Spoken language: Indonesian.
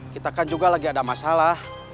kita kan juga lagi ada masalah